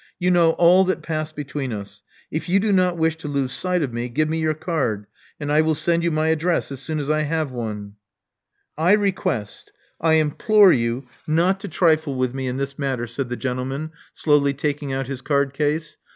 You know all that passed between us. If you do not wish to lose sight of me, give me your card; and I will send you my address as soon as I have one." I request — I — I implore you not to trifle with me 72 Love Among the Artists in this matter," said the gentleman, slowly taking out his card case.